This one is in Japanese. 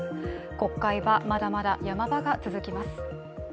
国会はまだまだ山場が続きます。